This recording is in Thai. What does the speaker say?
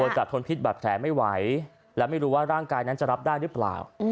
จะทนพิษบัตรแผลไม่ไหวและไม่รู้ว่าร่างกายนั้นจะรับได้หรือเปล่า